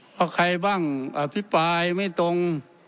เพราะใครบ้างอภิปรายไม่ตรง